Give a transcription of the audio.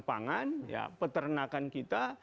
pangan ya peternakan kita